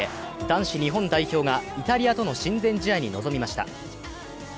男子日本代表がイタリアとの親善試合に臨みました。